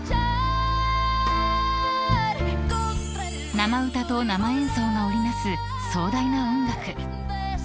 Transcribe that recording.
［生歌と生演奏が織り成す壮大な音楽］